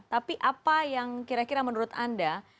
tapi apa yang kira kira menurut anda